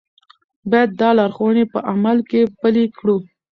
باید دا لارښوونې په عمل کې پلي کړو.